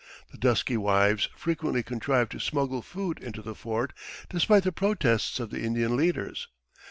The dusky wives frequently contrived to smuggle food into the fort despite the protests of the Indian leaders.